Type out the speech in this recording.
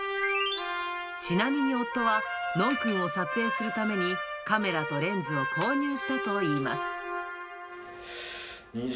ちなみに、夫はノンくんを撮影するために、カメラとレンズを購入したといいます。